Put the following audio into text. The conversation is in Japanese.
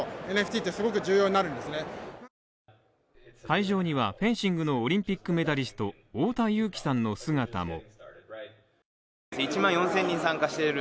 会場には、フェンシングのオリンピックメダリスト、太田雄貴さんの姿も。